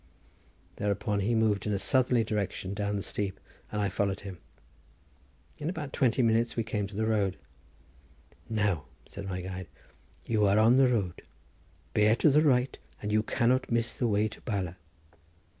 Thereupon he moved in a southerly direction down the steep and I followed him. In about twenty minutes we came to the road. "Now," said my guide, "you are on the road; bear to the right and you cannot miss the way to Bala."